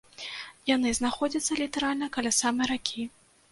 Яны знаходзяцца літаральна каля самай ракі.